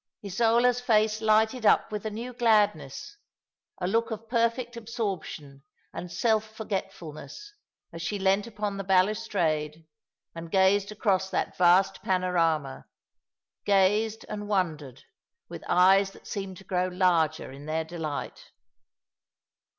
Isola's face lighted up with a new gladness, a look of perfect absorption and self forgetfulness, as she leant upon the balustrade, and gazed across that vast panorama, gazed and wondered, with eyes that seemed to grow larger in their delight.